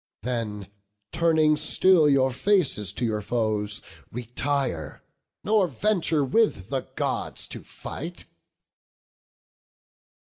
Then turning still your faces to your foes, Retire, nor venture with the Gods to fight."